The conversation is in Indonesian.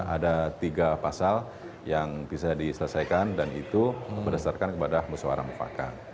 ada tiga pasal yang bisa diselesaikan dan itu berdasarkan kepada musyawarah mufakat